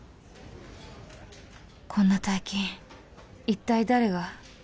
こんな大金一体誰が？